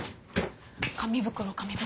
紙袋紙袋。